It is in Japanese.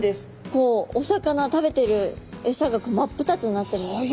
こうお魚食べてるエサが真っ二つになってるんですか？